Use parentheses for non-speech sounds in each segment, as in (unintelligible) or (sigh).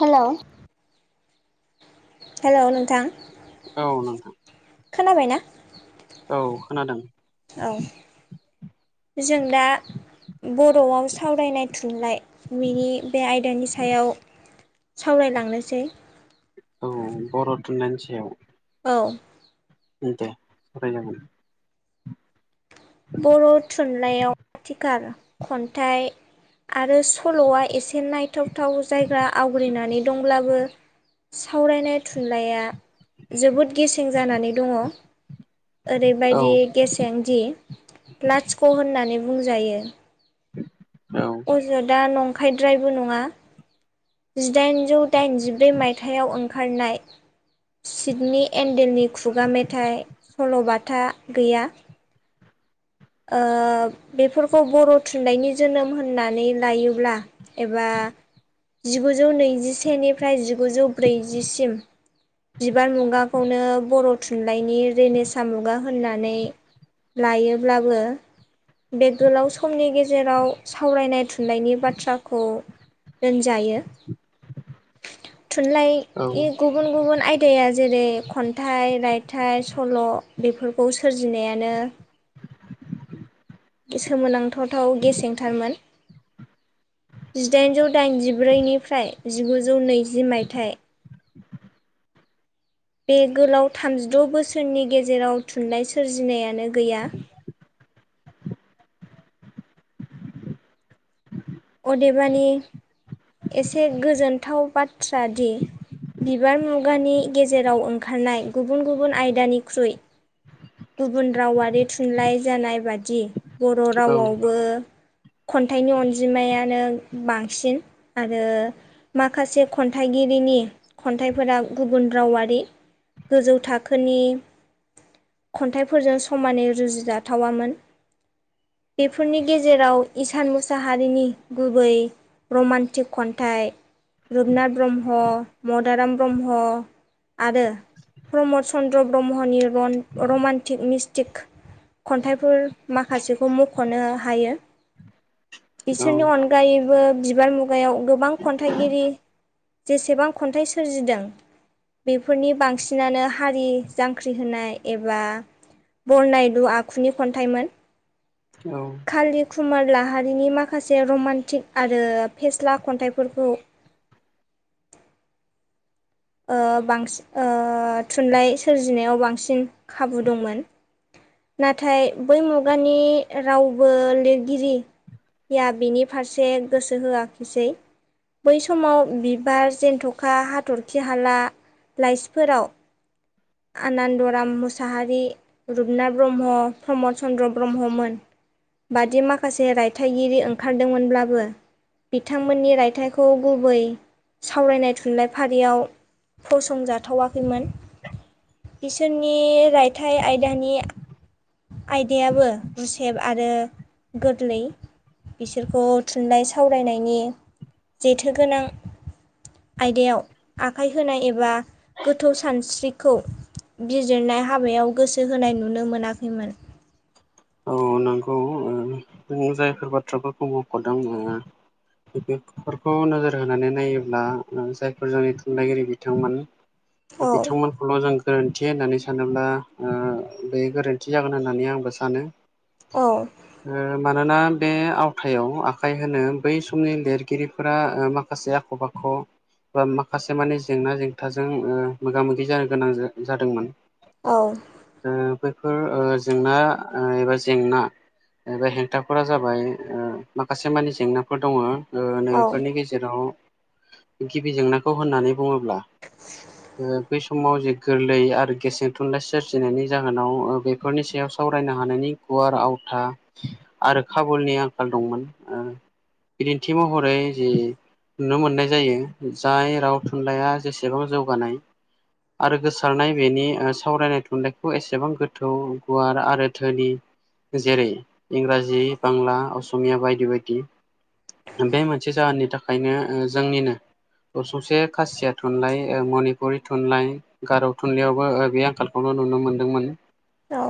हेल' hello नोंथां औ नोंथां खोनाबायना औ खोनादों औ जों दा बर'आव सावरायनाय थुनलाइ बिनि बे आयदानि सायाव सावरायलांनोसै औ बर' औ दे सवराय जागोन बर' थुनलाइयाव आथिखाल खन्थाइ आरो सल'आय सावरायनाय थुनलाइया जोबोद गेसें जानानै दङ औ ओरैबायदि गेसें दि लाथिख' होननानै बुंजायो औ ज दा नंखायद्रायबो नङा जिदायन जौ दायन जि ब्रै मायथाइयाव खारनाय सिदनि एन्डेलनि खुगा मेथाइ सल'बाथा गैया ओ बेफोरखौ बर' थुनलाइनि जोनोम होननानै लायोब्ला एबा जिगुजौ नैजिसेनिफ्राय जिगुजौ ब्रैजिसिम बिबार मुगाखौनो बर' थुनलाइनि रेनेसा मुगा होननानै लायोब्लाबो बे गोलाव समनि गेजेराव सावरायनाय थुनलायनि बाथ्राखौ रोंजायो थुनलाइ गुब औ गुबुन गुबुन आयदाया जेरै खन्थाइ रायथाइ सल' बेफोरखौ सोरजिनायानो सोमोनांथावथाव गेसेंथारमोन जिदाइनजौ दाइनजिब्रैनिफ्राय जिगुजौ नैजि मायथाइ बे गोलाव थामजिद' बोसोरनि गेजेराव थुनलाइ सोरजिनायानो गैया। अदेबानि एसे गोजोनथाव बाथ्रा दि बिबार मुगानि गेजेराव ओंखारनाय गुबुन गुबुन आयदानिख्रुइ गुबुन रावारि थुनलाइ जानाय बादि बर' रावआवबो खन्थाइनि अनजिमायानो बांसिन आरो माखासे खन्थाइगिरिनि खन्थाइफोरा गुबुन रावारि गोजौ थाखोनि खन्थाइफोरजों समानै रुजु जाथावामोन। बेफोरनि गेजेराव इसान मुसाहारिनि गुबै रमान्टिक खन्थाइ रुपनाथ ब्रह्म मदाराम ब्रह्म आरो प्रमद चन्द्र ब्रह्मनि रमान्टिक मिस्टिक खन्थाइफोर माखासेखौ मख'नो हायो। बिसोरनि औ अनगायैबो बिबार मु जुगायाव गोबां खन्थाइगिरि जेसेबां खन्थाइ सोरजिदों। बेफोरनि बांसिनानो हारि जांख्रि होनाय एबा बरनादु आखुनि खन्थाइमोन। औ कालि कुमार लाहारिनि माखासे रमान्टिक आरो फेस्ला खन्थाइफोरखौ बांसिन थुनलाइ सोरजिनायाव बांसिन खाबु दंमोन। नाथाय बै मुगानि रावबो लिरगिरि या बिनि फारसे गोसो होआखिसै। बै समाव बिबार जन्थ'खा हाथर आ खि हाला लाइसिफोराव आनन्दराम मुसाहारि। रुपनाथ ब्रह्म प्रमद चन्द्र ब्रह्ममोन बादि माखासे रायथाइगिरि ओंखारदोंमोनब्लाबो बिथांमोननि रायथाइखौ गुबै सावरायनाय थुनलाइ फारि याव फसंजाथावाखैमोन। बिसोरनि रायथाइ आयदानि आयदायाबो गुसेब आरो गोरलै। बिसोरखौ थुनलाइ सावरायनायनि जेथोगोनां आयदायाव आखाइ होनाय एबा गोथौ सानस्रिखौ बिजिरनाय हाबायाव गोसो होनाय नुनो मोनाखैमोन। औ नंगौ ओ जायफोर बाथ्राफोरखौ मख'दों। बेफोरखौ नोजोर होनानै नायोब्ला जायफोर जोंनि थुनलाइगिरि बिथांमोन (inaudible) बिथांमोन सल' जों गोरोन्थि होननानै सानोब्ला बे गोरोन्थि जागोन होननानै आंबो सानो। औ मानोना बे आवथायाव आखाइ होनो बै समनि लिरगिरिफोरा माखासे आख' बाख' बा माखासे माने जेंना जेंथाजों मोगा मोगि जानो गोनां जादोंमोन। औ बैफोर जेंना एबा जेंना एबा हेंथाफोरा जाबाय माखासे मानि जेंनाफोर दङ। ओ औ नोफोरनि गेजेराव गिबि जेंनाखौ होननानै बुङोब्ला बै समाव जे गोरलै आरो गेसें थुनलाइ सोरजिनायनि जाहोनाव बेफोरनि सायाव स फरायनो हानायनि गुवार आवथा आरो खाबुलनि आंखाल दंमोन। बिदिन्थि महरै जे नुनो मोननाय जायो जाय राव थुनलाइया जेसेबां जौगानाय आरो गोसारनाय बेनि सावरायनाय थुनलाइखौ एसेबां गोथौ गुवार आरो थोनि जेरै इंराजि बांला अस'मिया बायदि बायदि बे मोनसे जाहोननि थाखायनो ओ जोंनिनो द सौसे खासिया थुनलाइ मनिपुरि थुनलाइ गारौ थुनलाइयावबो बे आंखालखौल' नुनो मोन्दोंमोन औ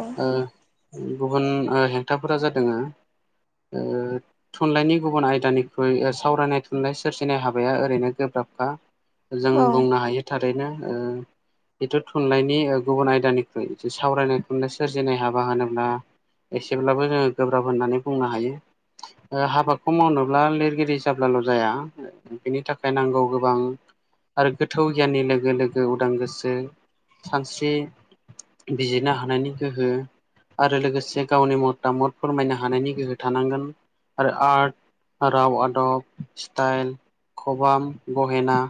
गुबुन हेंथाफोरा जादों। थुनलाइनि गुबुन आयदानिख्रुइ सावरायनाय थुनलाइ सोरजिनाय हाबाया ओरैनो गोब्राबखा। जों औ बुंनो हायो थारैनो। बेथ' थुनलाइनि गुबुन आयदानिरु सावरायनाय थुनलाइ सोरजिनाय हाबा होनोब बा एसेब्लाबो जोङो गोब्राब होननानै बुंनो हायो। ओ हाबाखौ मावनोब्ला लिरगिरि जाब्लाल' जाया बिनि थाखाय नांगौ गोबां आरो गोथौ गियाननि लोगो लोगो उदां गोसो सानस्रि बिजिरनो हानायनि गोहो आरो लोगोसे गावनि मता मद फोरमायनो हानायनि गोहो थानांगोन आरो आर्ट राव आदब स्टाइल खबाम गहेना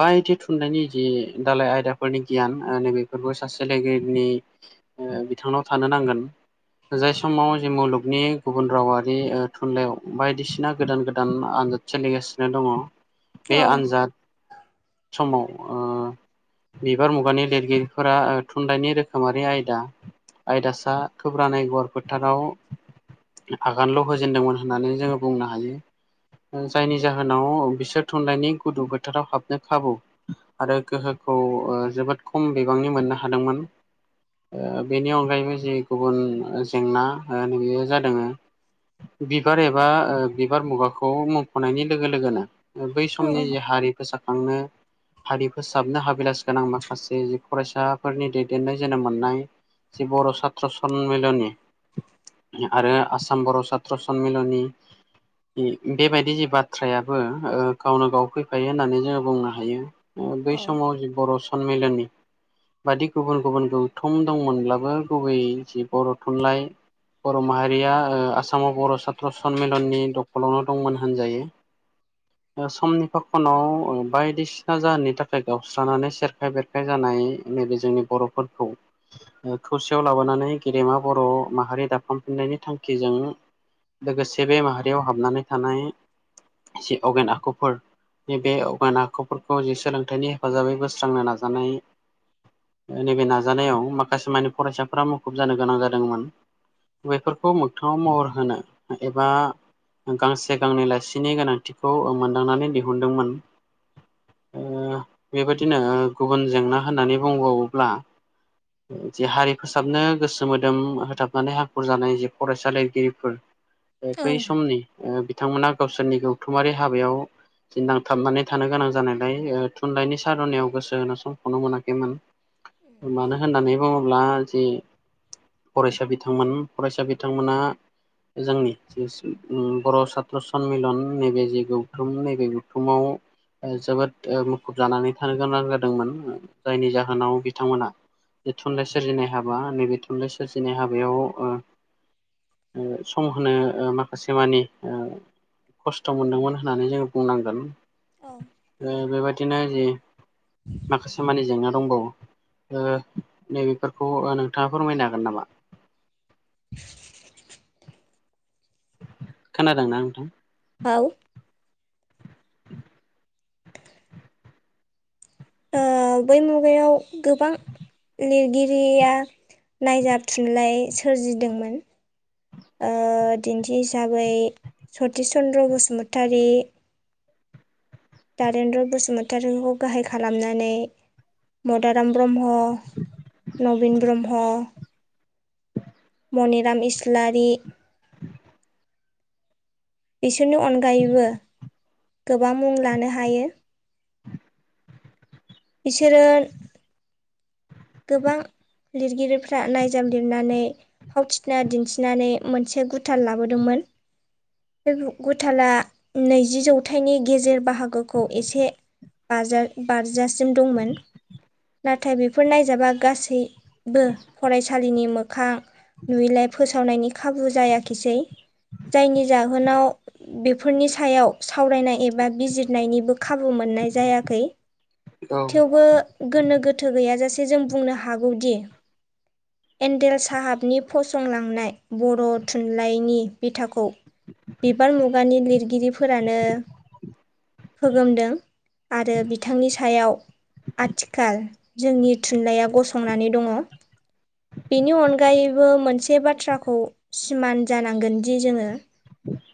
बायदि थुनलाइनि जि दालाय आयदाफोरनि गियान ओ नैबेफोरबो सासे लोगोनि ओ बिथांनाव थानो नांगोन जाय समाव जे मुलुगनि गुबुन रावारि ओ थुनलाइयाव बायदिसिना गोदान गोदान (unintelligible) सोलिगासिनो दङ बे आन्जाद समाव ओ बिबार मुगानि लिरगिरिफोरा ओ थुनलाइनि रोखोमारि आयदा आयदासा खोब्रानाय गुवार फोथाराव आगानल' होजेनदोंमोन होननानै जोङो बुंनो हायो जायनि जाहोनाव बिसोर थुनलाइनि गुदुं फोथाराव हाबनो खाबु आरो गोहोखौ ओ जोबोद खम बिबांनि मोननो हादोंमोन ओ बेनि अनगायैबो जि गुबुन जेंना बेयो जादों बिबार एबा ओ बिबार मुगाखौ मफ'नायनि लोगो लोगोनो बै समनि जे हारि फोसाखांनो हारि फोसाबनो हाबिलास गोनां माखासे जि फरायसाफोरनि दैदेननाय जोनोम मोननाय जि बर' साथ्र समिल'नि आरो आसाम बर' साथ्र सनमिल'नि बि बेबायदि जि बाथ्रायाबो ओ गावनो गाव फैफायो होननानै जोङो बुंनो हायो बै औ समाव जि बर' सनमिल'नि बादि गुबुन गुबुन गौथम दंमोनब्ला बो गुबैयै जि बर' थुनलाइ बर' माहारिया ओ आसामाव बर' साथ्र सनमिलननि दखलावनो दंमोन होनजायो (inaudible) समनि फाखनाव बायदिसिना जाहोननि थाखाय गावस्रानानै सेरखाय बेरखाय (unintelligible) जानाय नैबे जोंनि बर'फोरखौ खौसेयाव लाबोनानै गेदेमा बर' माहारि दाफामफिननायनि थांखिजों लोगोसे बे माहारियाव हाबनानै थानाय जि अगेन आखुफोर नैबे अवगान आखुफोरखौ जे सोलोंथाइनि हेफाजाबै बोस्रांनो नाजानाय नैबे नाजानायाव माखासे माने फरायसाफोरा मुखुब जानो गोनां जादोंमोन बेफोरखौ मोगथाङाव महर होनो एबा गांसे गांनै लाइसिनि गोनांथिखौ मोनदांनानै दिहुनदोंमोन (inaudible) ओ बेबायदिनो आ गुबुन जेंना होननानै बुंबावोब्ला जि हारि फोसाबनो गोसो मोदोम होथाबनानै हाखुर जानाय जि फरायसा लिरगिरिफोर (inaudible) बै समनि ओ बिथांमोना गावसोरनि गौथुमारि हाबायाव नांथाबनानै थानो गोनां जानायलाय ओ थुनलाइनि सार'नायाव गोसो होनो समखौनो मोनाखैमोन मानो होननानै बुं ब्ला जि फरायसा बिथांमोन फरायसा बिथांमोना जोंनि जिसु उम बर' सााथ्र सनमिलन नैबे जे गौथुम नैबे गौथुमाव ओ जोबोद ओ मुखुब जानानै थानो गोनां जादोंमोन जायनि जाहोनाव बिथांमोना बे थुनलाइ सोरजिनाय हाबा नैबे थुनलाइ सोरजिनाय हाबायाव ओ ओ सम होनो ओ माखासे मानि ओ खस्थ' मोनदोंमोन होननानै जोङो बुंनांगोन औ ओ बेबायदिनो जि माखासे मानि जेंना दंबावो ओ नैबेफोरखौ ओ नोंथाङा फोरमायनो हागोन नामा? (inaudible) खोनादोंना नोंथां आव (inaudible) ओ बै मुगायाव गोबां लिरगिरिया नायजाब थुनलाइ सोरजिदोंमोन ओ दिन्थि हिसाबै सतिस चन्द्र बसुमतारी द्वारेन्द्र बसुमतारिखौ गाहाय खालामनानै मदाराम ब्रह्म नबिन ब्रह्म मनिराम इस्लारि बिसोरनि अनगायैबो गोबां मुं लानो हायो (inaudible) बिसोरो गोबां लिरगिरिफ्रा नायजाब लिरनानै फावथिना दिन्थिनानै मोनसे गुथ थाल लाबोदोंमोन बे गु-गुथाला नैजि जौथाइनि गेजेर बाहागोखौ एसे बाजार-बारजासिम दंमोन नाथाय बेफोर नायजाबा गासै बो फरायसालिनि मोखां नुयैलाय फोसावनायनि खाबु जायाखिसै जायनि जाहोनाव बेफोरनि सायाव सावरायनाय एब बा बिजिरनायनिबो खाबु मोननाय जायाखै औ थेवबो गोनो गोथो गैयाजासे जों बुंनो हागौदि एन्डेल साहाबनि फसंलांनाय बर' थुनलाइनि बिथाखौ बिबार मुगानि लिरगिरिफोरानो फोगोमदों आरो बिथांनि सायाव आथिखाल जोंनि थुनलाइया गसंनानै दङ बेनि अनगायैबो मोनसे बाथ्राखौ सिमान जानांगोनदि जोङो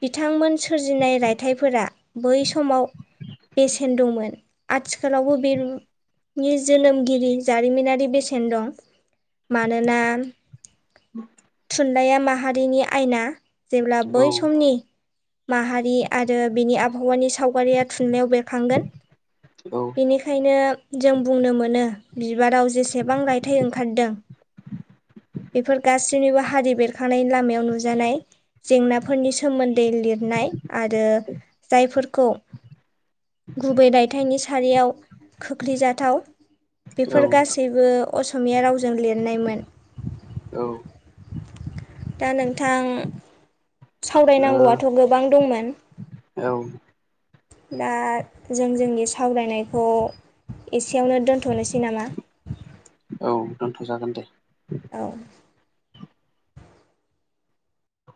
बिथांमोन सोरजिनाय रायथाइफोरा बै समाव बेसेन दंमोन आथिखालावबो बेनि जोनोमगिरि जारिमिनारि बेसेन दं मानोना थुनलाइया माहारिनि आयना जेब्ला औ बै समनि माहारि आरो बिनि आबहावानि सावगारिया थुनलाइयाव बेरखांगोन औ निखायनो जों बुंनो मोनो बिबाराव जेसेबां रायथाइ ओंखारदों बेफोर गासैनिबो हारि बेरखांनायन लामायाव नुजानाय जेंनाफोरनि सोमोन्दै लिरनाय आरो जायफोरखौ गुबै रायथाइनि सारियाव खोख्लैजाथाव बेफोर औ गासैबो असमिया रावजों लिरनायमोन ओ दा नोंथां सावरायनांगौआथ' गोबां दंमोन औ दा जों जोंनि सावरायनायखौ एसेयावनो दोनथ'नोसै नामा? औव दोनथ'जागोन दे। औ